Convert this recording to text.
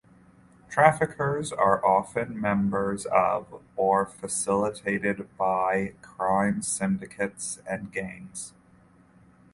Traffickers are often members of or facilitated by crime syndicates and gangs.